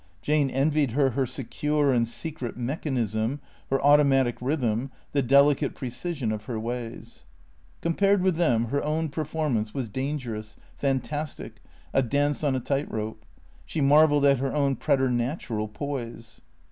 Jane envied her her secure and secret mechanism, her automatic rhythm, the delicate precision of her ways. Com pared with them her own performance was dangerous, fantastic, a dance on a tight rope. She marvelled at her own preternatural poise.